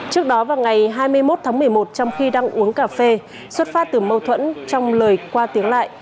trước đó vào ngày hai mươi một tháng một mươi một trong khi đang uống cà phê xuất phát từ mâu thuẫn trong lời qua tiếng lại